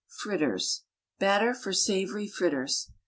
FRITTERS. BATTER FOR SAVOURY FRITTERS.